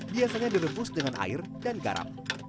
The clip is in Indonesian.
biasanya direbus dengan air dan garam